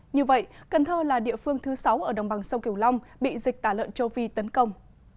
như vậy cần thơ là địa phương thứ sáu ở đồng bằng sông kiều long bị dịch tả lợn châu phi tấn công